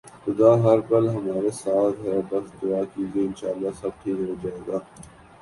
خدا ہر پل ہمارے ساتھ ہے بس دعا کیجئے، انشاءاللہ سب ٹھیک ہوجائےگا